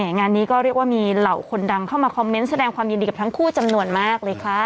งานนี้ก็เรียกว่ามีเหล่าคนดังเข้ามาคอมเมนต์แสดงความยินดีกับทั้งคู่จำนวนมากเลยค่ะ